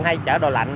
hay chở đồ lạnh